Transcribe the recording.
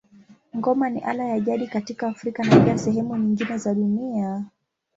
Ngoma ni ala ya jadi katika Afrika na pia sehemu nyingine za dunia.